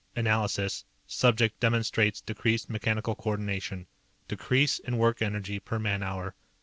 _ "_Analysis: Subject demonstrates decreased mechanical coordination. Decrease in work energy per man hour.